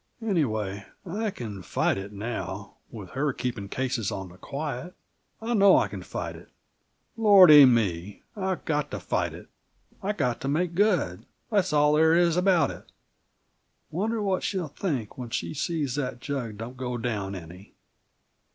"Anyway, I can fight it now, with her keeping cases on the quiet. I know I can fight it. Lordy me, I've got to fight it! I've got to make good; that's all there is about it. Wonder what she'll think when she sees that jug don't go down any?